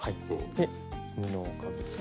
で布をかぶせて。